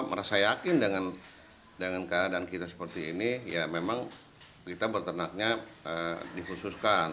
merasa yakin dengan keadaan kita seperti ini ya memang kita berternaknya dikhususkan